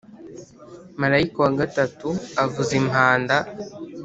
Marayika wa gatatu avuza impanda